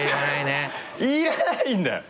いらないんだよ。